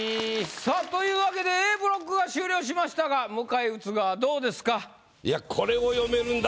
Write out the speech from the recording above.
さあというわけでＡブロックは終了しましたが迎え撃つ側どうですか？